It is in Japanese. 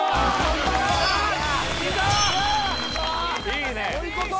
いいね！